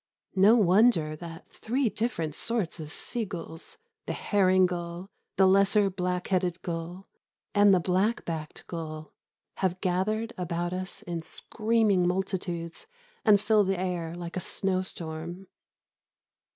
No wonder that three different sorts of sea gulls the herring gull, the lesser black headed gull, and the black backed gull have gathered about us in screaming multitudes and fill the air like a snowstorm.